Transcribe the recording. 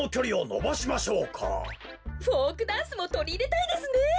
フォークダンスもとりいれたいですね。